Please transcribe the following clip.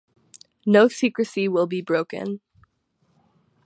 No secrecy will be broken.